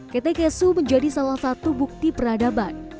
ketekesu menjadi salah satu bukti peradaban